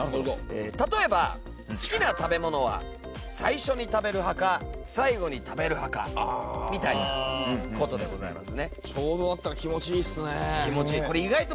例えば好きな食べ物は最初に食べる派か最後に食べる派かみたいな事でございますね。ですよね。